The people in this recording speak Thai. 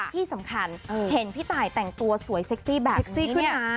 ที่สำคัญเห็นพี่ตายแต่งตัวสวยเซ็กซี่แบบเซ็กซี่ขึ้นมา